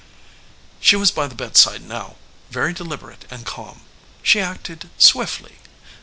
She was by the bedside now, very deliberate and calm. She acted swiftly.